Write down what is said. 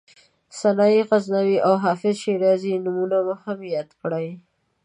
سنایي غزنوي او حافظ شیرازي نومونه هم یاد کړي.